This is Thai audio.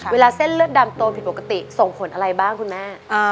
เส้นเลือดดำโตผิดปกติส่งผลอะไรบ้างคุณแม่